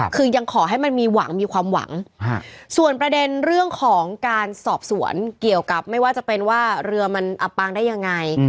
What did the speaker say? คือยังขอให้มันมีหวังมีความหวังส่วนประเด็นเรื่องของการสอบสวนเกี่ยวกับไม่ว่าจะเป็นว่าเรือมันอับปางได้ยังไง